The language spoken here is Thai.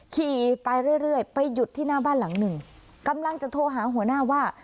ขี่ไปเรื่อยเรื่อยไปหยุดที่หน้าบ้านหลังหนึ่งกำลังจะโทรหาหัวหน้าว่า